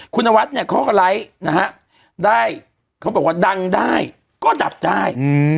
คุณนวัดเนี่ยเขาก็ไลฟ์นะฮะได้เขาบอกว่าดังได้ก็ดับได้